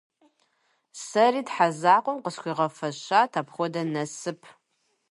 Сэри Тхьэ закъуэм къысхуигъэфэщат апхуэдэ насып.